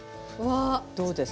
どうですか？